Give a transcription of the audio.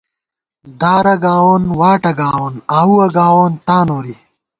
دارہ گاوون واٹہ گاوون ، آؤوَہ گاوون تا نوری